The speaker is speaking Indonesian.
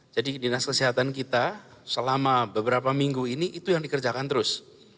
jadi dinas kesehatan kita selama beberapa minggu ini itu yang dikerjakan terus